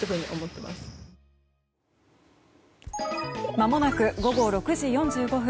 まもなく午後６時４５分。